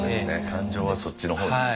感情はそっちの方に。